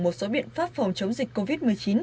một số biện pháp phòng chống dịch covid một mươi chín